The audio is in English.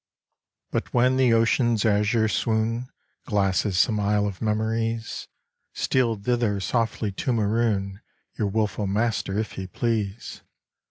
But when the ocean's azure swoon Glasses some isle of memories, Steal thither softly to maroon Your wilful master if he please